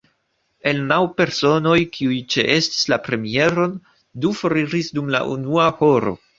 El naŭ personoj kiuj ĉeestis la premieron, du foriris dum la unua horo.